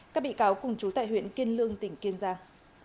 các bị cáo cùng chú tại huyện kiên lương tỉnh kiên giang